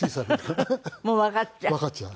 もうわかっちゃう。